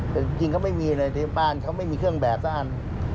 จริงก็ไม่มีเลยในบ้านเขาไม่มีเครื่องแบบซะอัน